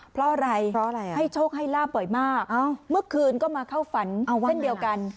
เพราะอะไรเพราะอะไรให้โชคให้ลาบบ่อยมากเมื่อคืนก็มาเข้าฝันเช่นเดียวกัน